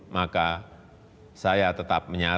maka saya tetap mengatakan